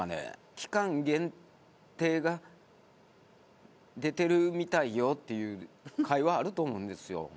「期間限定が出てるみたいよ」っていう会話あると思うんですよ。